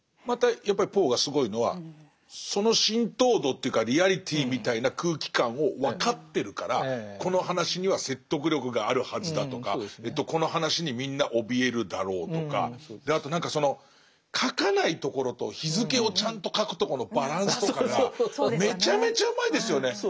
またやっぱりポーがすごいのはその浸透度というかリアリティーみたいな空気感を分かってるからこの話には説得力があるはずだとかこの話にみんなおびえるだろうとかあと何かその書かないところと日付をちゃんと書くとこのバランスとかがめちゃめちゃうまいですよね。